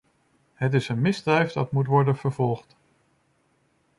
Het is een misdrijf dat moet worden vervolgd.